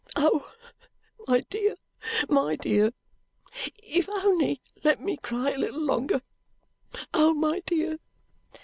"Oh, my dear, my dear! If you'll only let me cry a little longer. Oh, my dear!"